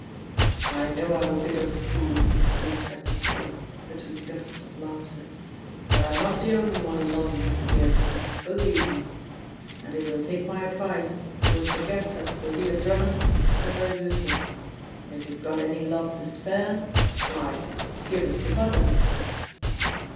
"I know I'm a bit of a fool," the inspector spoke, between gusts of laughter, "but I'm not the only one in London, Mr. Beardmore, believe me. And if you'll take my advice you'll forget that Thalia Drummond ever existed. And if you've got any love to spare, why, give it to Mother!"